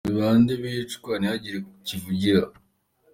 – Ni bande bicwa ntihagire kivugira?